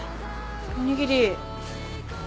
おにぎり。